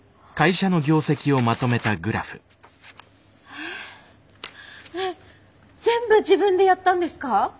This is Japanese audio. えっねえ全部自分でやったんですか！？